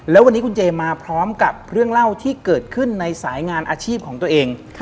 แล้ววันนี้คุณเจมาพร้อมกับเรื่องเล่าที่เกิดขึ้นในสายงานอาชีพของตัวเอง